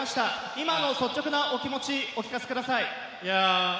今の率直な、お気持ちをお聞かせください。